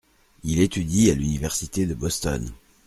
Il étudie à l’université de Boston.